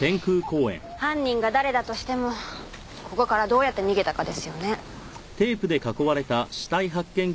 犯人が誰だとしてもここからどうやって逃げたかですよね。